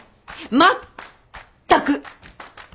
まったく！